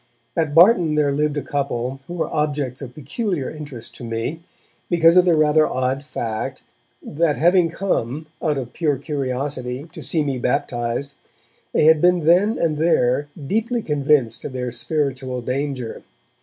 At Barton there lived a couple who were objects of peculiar interest to me, because of the rather odd fact that having come, out of pure curiosity, to see me baptized, they had been then and there deeply convinced of their spiritual danger.